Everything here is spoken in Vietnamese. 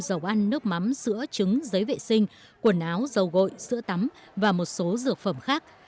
dầu ăn nước mắm sữa trứng giấy vệ sinh quần áo dầu gội sữa tắm và một số dược phẩm khác